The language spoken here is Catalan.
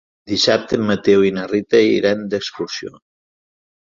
Dissabte en Mateu i na Rita iran d'excursió.